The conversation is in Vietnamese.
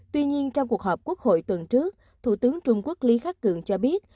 tuy nhiên trong cuộc họp quốc hội tuần trước thủ tướng trung quốc lý khắc cường cho biết